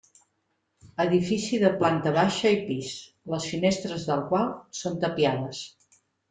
Edifici de planta baixa i pis, les finestres del qual són tapiades.